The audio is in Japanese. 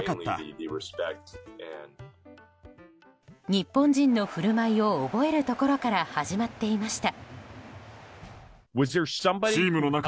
日本人の振る舞いを覚えるところから始まっていました。